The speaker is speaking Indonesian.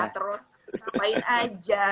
terus ngapain aja